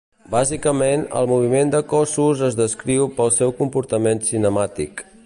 Bàsicament, el moviment de cossos es descriu pel seu comportament cinemàtic.